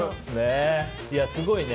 すごいね。